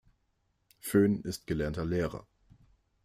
Föhn ist gelernter Lehrer.